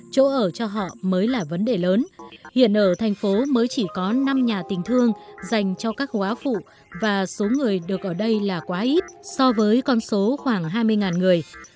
chỗ ở cho họ mới là vấn đề lớn hiện ở thành phố mới chỉ có năm nhà tình thương dành cho các hóa phụ và số người được ở đây là quá ít so với con số khoảng hai mươi người